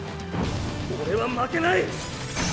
オレは負けない！